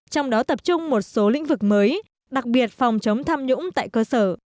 trong đó tập trung một số lĩnh vực mới đặc biệt phòng chống tham nhũng tại cơ sở